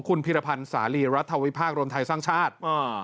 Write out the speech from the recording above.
คุณพิรพันธ์สาลีรัฐวิพากษ์รวมไทยสร้างชาติ